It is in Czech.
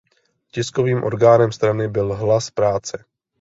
Tiskovým orgánem strany byl "Hlas práce".